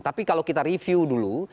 tapi kalau kita review dulu